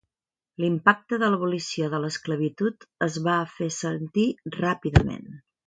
L'impacte de l'abolició de l'esclavitud es va fer sentir ràpidament.